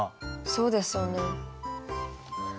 そうですよね。